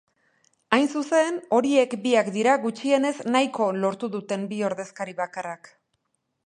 Hain zuzen, horiek biak dira gutxienez nahiko lortu duten bi ordezkari bakarrak.